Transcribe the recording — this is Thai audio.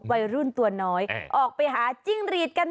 วัยรุ่นตัวน้อยออกไปหาจิ้งรีดกัน